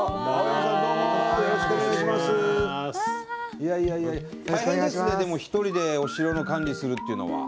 いやいやいや大変ですねでも一人でお城の管理するっていうのは。